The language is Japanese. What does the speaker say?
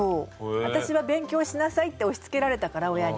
私は勉強しなさいって押しつけられたから親に。